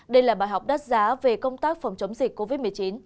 đây là bài học đắt giá về công tác phòng chống dịch covid một mươi chín